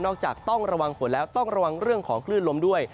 จากต้องระวังฝนแล้วต้องระวังเรื่องของคลื่นลมด้วย